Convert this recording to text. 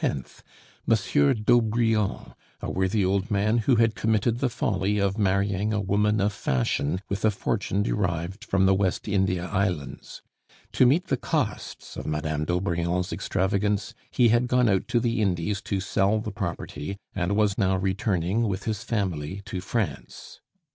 Monsieur d'Aubrion, a worthy old man who had committed the folly of marrying a woman of fashion with a fortune derived from the West India Islands. To meet the costs of Madame d'Aubrion's extravagance, he had gone out to the Indies to sell the property, and was now returning with his family to France.